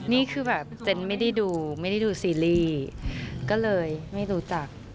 นี่คือเจนไม่ได้ดูซีรีส์ก็เลยไม่รู้จัก